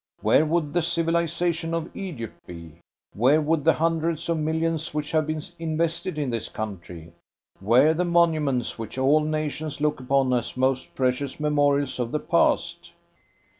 Where would the civilisation of Egypt be? Where would the hundreds of millions which have been invested in this country? Where the monuments which all nations look upon as most precious memorials of the past?"